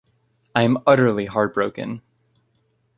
I am utterly heartbroken.